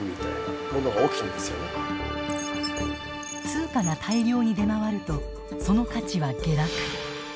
通貨が大量に出回るとその価値は下落。